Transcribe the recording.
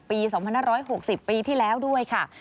ปี๒๕๖๐ปีที่แล้วด้วยค่ะ